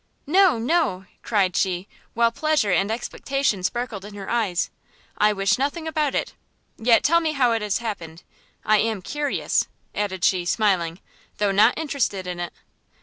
"No, No!" cried she, while pleasure and expectation sparkled in her eyes, "I wish nothing about it. Yet tell me how it has happened, I am curious," added she, smiling, "though not interested in it."